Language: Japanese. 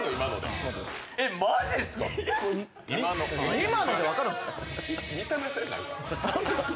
今ので分かるんっすか？